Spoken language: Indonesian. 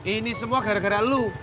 ini semua gara gara lu